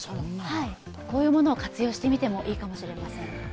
こういうものを活用してみてもいいかもしれません。